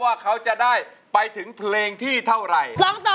ว่าเขาจะได้ไปถึงเพลงที่เท่าไหร่